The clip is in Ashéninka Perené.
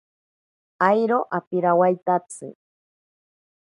Airo apirawaitatsi.